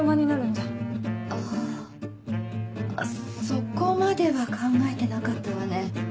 そこまでは考えてなかったわね。